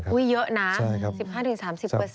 อุ๊ยเยอะนะ๑๕๓๐เปอร์เซ็นต์